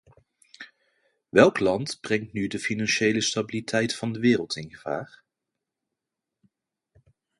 Welk land brengt nu de financiële stabiliteit van de wereld in gevaar?